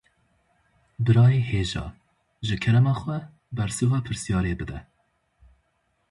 Birayê hêja, ji kerema xwe bersiva pirsyarê bide